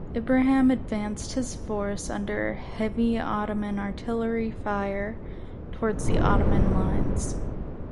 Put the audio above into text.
Ibrahim advanced his force, under heavy Ottoman artillery fire, towards the Ottoman lines.